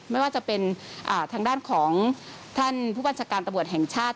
ไม่ว่าจะเป็นทางด้านของท่านผู้บัญชาการตำรวจแห่งชาติ